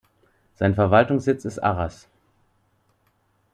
Sein Verwaltungssitz ist Arras.